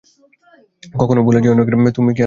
কখনো ভুলে যেও না যে তুমি কে আর কোত্থেকে এসেছ।